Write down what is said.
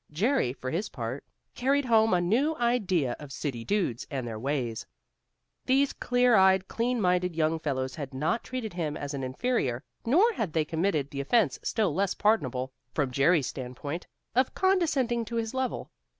Jerry, for his part, carried home a new idea of "city dudes" and their ways. These clear eyed, clean minded young fellows had not treated him as an inferior, nor had they committed the offence still less pardonable, from Jerry's standpoint, of condescending to his level.